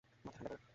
মাথা ঠান্ডা করো!